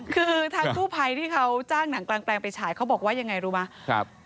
คือทางกู้ภัยที่เขาจ้างหนังกลางแปลงไปฉายเขาบอกว่ายังไงรู้ไหม